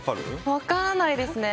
分からないですね。